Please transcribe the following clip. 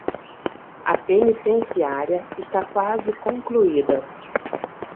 A penitenciária está quase concluída